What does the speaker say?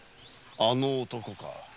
あの男か。